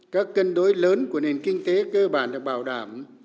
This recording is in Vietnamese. các cân đối lớn của nền kinh tế cơ bản được bảo đảm